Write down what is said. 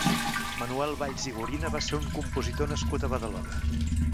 Manuel Valls i Gorina va ser un compositor nascut a Badalona.